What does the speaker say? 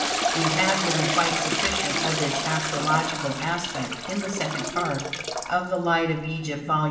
We have given quite sufficient of its astrological aspect in the second part of "The Light of Egypt," Vol.